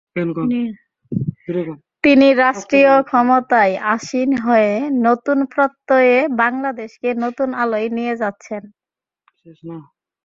তিনি রাষ্ট্রীয় ক্ষমতায় আসীন হয়ে নতুন প্রত্যয়ে বাংলাদেশকে নতুন আলোয় নিয়ে যাচ্ছেন।